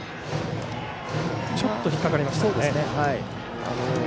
ちょっと引っかかりましたね。